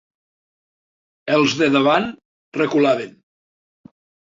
Els de davant, reculaven